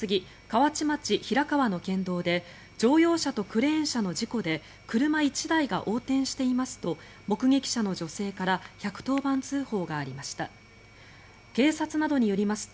河内町平川の県道で乗用車とクレーン車の事故で車１台が横転していますと目撃者の女性から１１０番通報がありました。